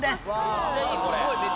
めっちゃいいこれ。